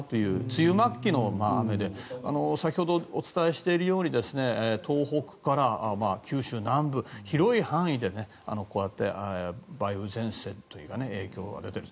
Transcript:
梅雨末期の雨で先ほどお伝えしているように東北から九州南部、広い範囲でこうやって梅雨前線というか影響が出ている。